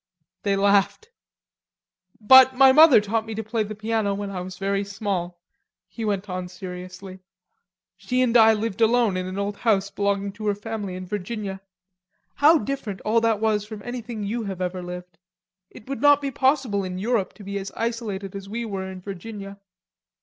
They laughed. "But my mother taught me to play the piano when I was very small," he went on seriously. "She and I lived alone in an old house belonging to her family in Virginia. How different all that was from anything you have ever lived. It would not be possible in Europe to be as isolated as we were in Virginia....